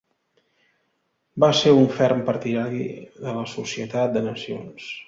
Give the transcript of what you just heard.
Va ser un ferm partidari de la Societat de Nacions.